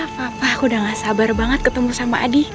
papa udah gak sabar banget ketemu sama adi